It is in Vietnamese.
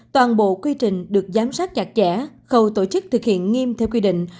toàn bộ quy trình được giám sát chặt chẽ khâu tổ chức thực hiện nghiêm theo quy định